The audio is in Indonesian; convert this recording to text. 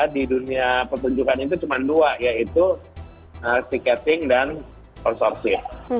di dunia perbunjukan itu cuma dua yaitu sticketing dan konsorsi